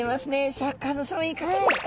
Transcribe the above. シャーク香音さまいかがですか？